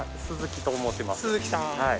鈴木さん。